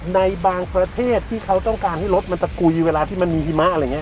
ในบางสันเทศที่เค้าต้องการให้รถมันตะกุยเวลาที่มันมีหิมะ